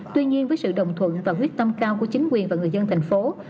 tuy nhiên với sự đồng thuận và quyết tâm cao của chính quyền và người dân thành phố